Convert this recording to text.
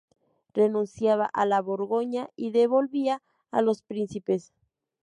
Renunciaba a la Borgoña y devolvía a los príncipes.